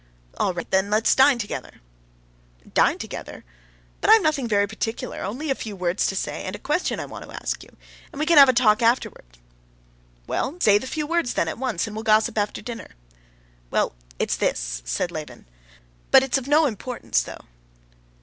"All right, then, let's dine together." "Dine together? But I have nothing very particular, only a few words to say, and a question I want to ask you, and we can have a talk afterwards." "Well, say the few words, then, at once, and we'll gossip after dinner." "Well, it's this," said Levin; "but it's of no importance, though."